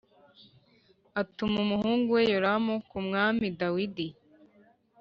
atuma umuhungu we yoramu ku mwami dawidi